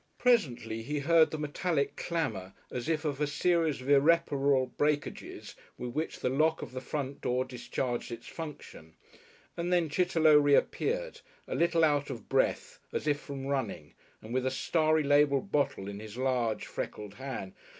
Presently he heard the metallic clamour as if of a series of irreparable breakages with which the lock of the front door discharged its function, and then Chitterlow reappeared, a little out of breath as if from running and with a starry labelled bottle in his large, freckled hand.